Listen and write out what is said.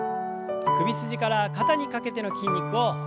首筋から肩にかけての筋肉をほぐします。